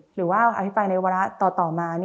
หรือว่าอภิปรายในวาระต่อมา